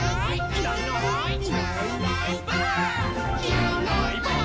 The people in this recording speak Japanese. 「いないいないばあっ！」